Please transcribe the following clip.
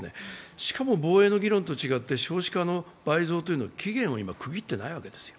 しかも防衛の議論と違って少子化の議論は期間を区切ってないわけですよ。